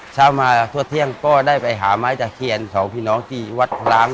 เช้ามาทั่วเที่ยงก็ได้ไปหาไม้ตะเคียนสองพี่น้องที่วัดล้าง